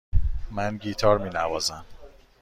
بله، من گیتار می نوازم.